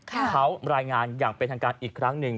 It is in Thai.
เขารายงานอย่างเป็นทางการอีกครั้งหนึ่ง